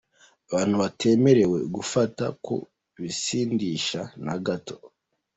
Abantu batemerewe gufata ku bisindisha na gato.